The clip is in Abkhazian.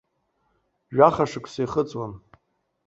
Жәаха шықәса ихыҵуан.